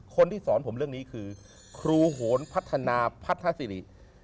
คนที่สอนผมเรื่องนี้คือครูโหนพัฒนาพัทธสิริ